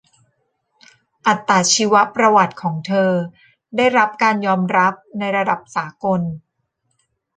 อัตชีวประวัติของเธอได้รับการยอมรับในระดับสากล